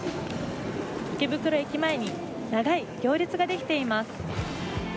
池袋駅前に長い行列ができています。